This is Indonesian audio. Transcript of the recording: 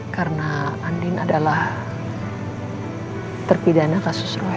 karena andin adalah terpidana kasus roy